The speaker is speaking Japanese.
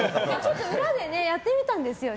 裏でやってみたんですよね。